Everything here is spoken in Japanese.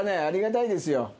ありがたいですよ